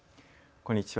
こんにちは。